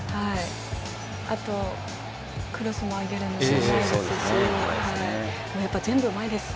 あと、クロスも上げるのうまいですし。